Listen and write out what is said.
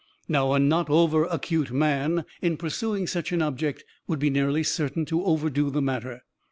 Now, a not over acute man, in pursuing such an object, would be nearly certain to overdo the matter.